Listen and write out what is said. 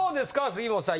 杉本さん